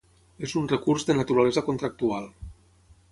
És un recurs de naturalesa contractual.